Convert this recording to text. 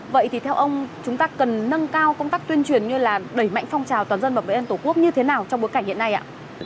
vậy thì theo ông chúng ta cần nâng cao công tác tuyên truyền như là đẩy mạnh phong trào toàn dân bảo vệ an tổ quốc như thế nào trong bối cảnh hiện nay ạ